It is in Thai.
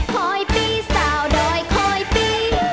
หอยปี้